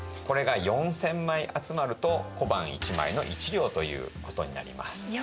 これが４０００枚集まると小判１枚の１両ということになります。